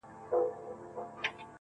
دا سپوږمۍ وينې.